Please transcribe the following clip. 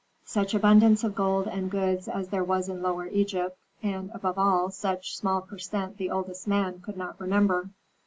Such abundance of gold and goods as there was in Lower Egypt, and, above all, such small per cent the oldest men could not remember.